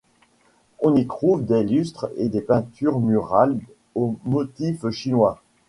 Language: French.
On y trouve des lustres et des peintures murales aux motifs chinois.